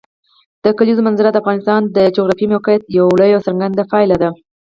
د کلیزو منظره د افغانستان د جغرافیایي موقیعت یوه لویه او څرګنده پایله ده.